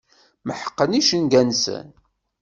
Meḥqen icenga-nsen.